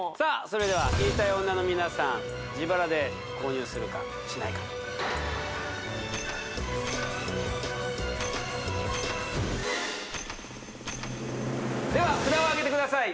それでは言いたい女の皆さん自腹で購入するかしないかでは札をあげてください